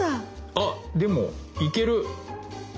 あでもいける！